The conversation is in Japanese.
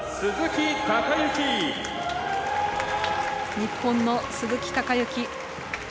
日本の鈴木孝幸